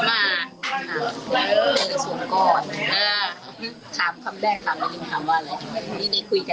อยากให้สังคมรับรู้ด้วย